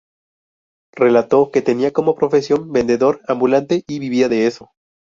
Relató que tenía como profesión vendedor ambulante y vivía de eso.